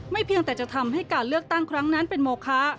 เพียงแต่จะทำให้การเลือกตั้งครั้งนั้นเป็นโมคะ